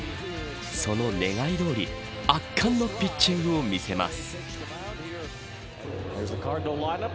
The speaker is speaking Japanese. その願いどおり圧巻のピッチングを見せます。